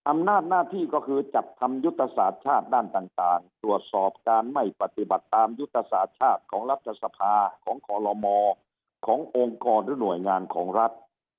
อำนาจหน้าที่ก็คือจัดทำยุทธศาสตร์ชาติด้านต่างตรวจสอบการไม่ปฏิบัติตามยุทธศาสตร์ชาติของรัฐสภาของขอรมอขององค์กรหรือหน่วยงานของรัฐ